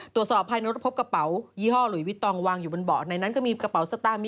ตรวจสอบภายในรถพบกระเป๋ายี่ห้อหลุยวิตองวางอยู่บนเบาะในนั้นก็มีกระเป๋าสตางค์